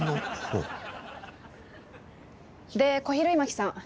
で小比類巻さん。